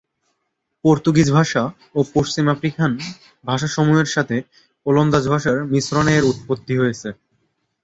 Portuguese ভাষা ও পশ্চিম আফ্রিকান ভাষাসমূহের সাথে ওলন্দাজ ভাষার মিশ্রণে এর উৎপত্তি হয়েছে।